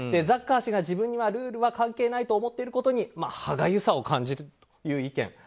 ザッカー氏が自分にはルールは関係ないと思っていることに歯がゆさを感じるという意見。